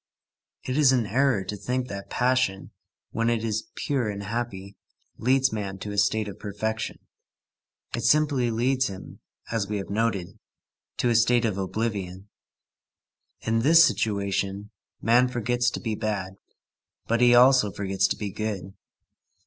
It is an error to think that passion, when it is pure and happy, leads man to a state of perfection; it simply leads him, as we have noted, to a state of oblivion. In this situation, man forgets to be bad, but he also forgets to be good.